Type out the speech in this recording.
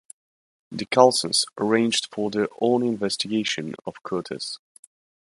The Kalsons arranged for their own investigation of Curtis.